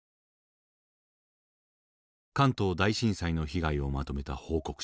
関東大震災の被害をまとめた報告書。